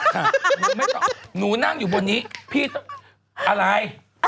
ข้าหนูนั่งอยู่บนนี้อะไร